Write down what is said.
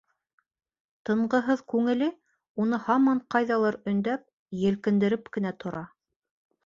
Тынғыһыҙ күңеле, уны һаман ҡайҙалыр өндәп, елкендереп кенә тора.